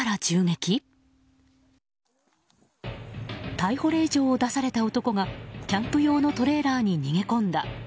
逮捕令状を出された男がキャンプ用のトレーラーに逃げ込んだ。